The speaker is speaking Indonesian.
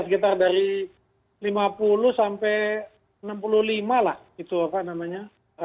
sekitar dari lima puluh sampai enam puluh lima lah itu apa namanya